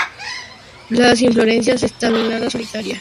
Las inflorescencias estaminadas solitarias.